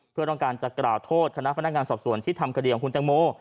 เพื่อต้องการจะกล่าวโทษคณะพนักงานสอบส่วนที่ทำคดีของคุณแตงโม